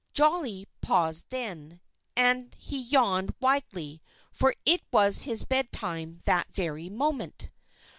Jolly paused then; and he yawned widely, for it was his bed time that very moment.